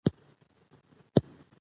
د هغې نوم به هېر سوی نه وي.